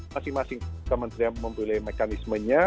masing masing kementerian memilih mekanismenya